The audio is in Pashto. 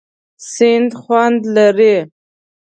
سیند خوند لري.